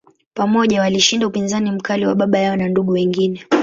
Pamoja, walishinda upinzani mkali wa baba yao na ndugu wengine.